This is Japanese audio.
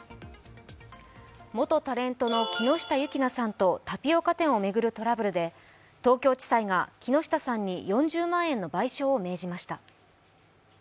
元タレントの木下優樹菜さんとタピオカ店を巡るトラブルで東京地裁が木下さんに４０万円の賠償を命じました。